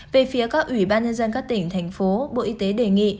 về phía các ủy ban nhân dân các tỉnh thành phố bộ y tế đề nghị